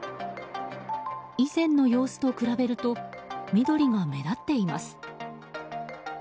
以前の様子と比べると緑が目立っています。